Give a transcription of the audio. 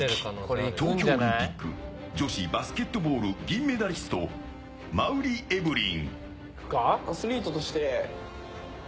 東京オリンピック女子バスケットボール銀メダリスト馬瓜エブリン。